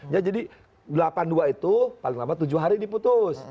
ya jadi delapan puluh dua itu paling lama tujuh hari diputus